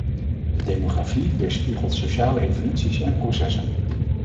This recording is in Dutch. De demografie weerspiegelt sociale evoluties en processen.